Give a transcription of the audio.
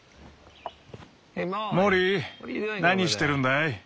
・モリー何してるんだい？